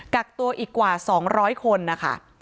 กักตัวอีกกว่า๒๐๐คนนะคะ